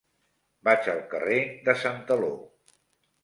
Vaig al carrer de Santaló.